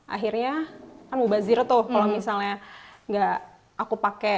akhirnya kan mubazir tuh kalo misalnya gak aku pake